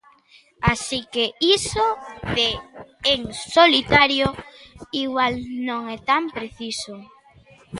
Así que iso de en solitario igual non é tan preciso.